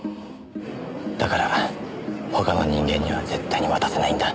だから他の人間には絶対に渡せないんだ。